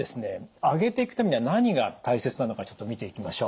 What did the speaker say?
上げていくためには何が大切なのかちょっと見ていきましょう。